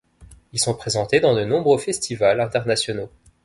Ils sont présentés dans de nombreux festivals internationaux.